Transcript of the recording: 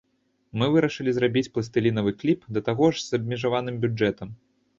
Мы вырашылі зрабіць пластылінавы кліп, да таго ж з абмежаваным бюджэтам.